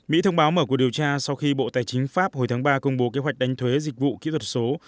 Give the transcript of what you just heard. mỹ thông báo mở cuộc điều tra sau khi bộ tài chính pháp hồi tháng ba công bố kế hoạch đánh thuế dịch vụ kỹ thuật số